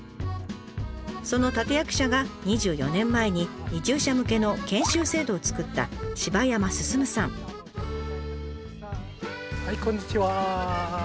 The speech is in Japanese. その立て役者が２４年前に移住者向けの研修制度を作ったはいこんにちは。